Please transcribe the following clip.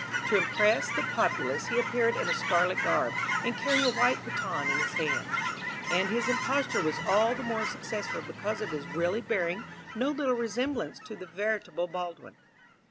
To impress the populace he appeared in a scarlet garb, and carrying a white baton in his hand; and his imposture was all the more successful because of his really bearing no little resemblance to the veritable Baldwin.